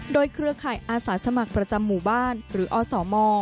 โดยเครือข่ายอาสาสมัครประจำหมู่บ้านหรืออสม